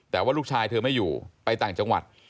แต่ว่าลูกชายเธอไม่อยู่ไปต่างจังหวัด